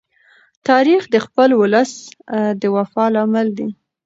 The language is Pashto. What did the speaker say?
تاریخ د خپل ولس د وفا لامل دی.